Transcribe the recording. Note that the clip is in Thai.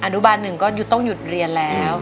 อนุบาลหนึ่งก็ต้องหยุดเรียนแล้ว